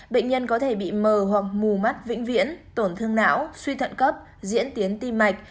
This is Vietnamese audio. bệnh nhân có thể bị mờ hoặc mù mắt vĩnh viễn tổn thương não suy thận cấp diễn tiến tim mạch